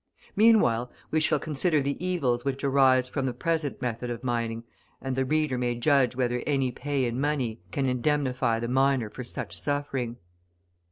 Meanwhile, we shall consider the evils which arise from the present method of mining, and the reader may judge whether any pay in money can indemnify the miner for such suffering.